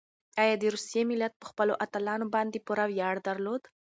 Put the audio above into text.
ایا د روسیې ملت په خپلو اتلانو باندې پوره ویاړ درلود؟